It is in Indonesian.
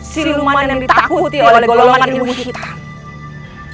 si luman yang ditakuti oleh golongan ilmu hitam